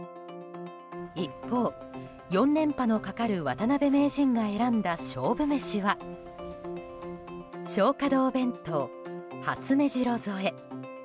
一方、４連覇のかかる渡辺名人が選んだ勝負メシは松花堂弁当はつめじろ添え。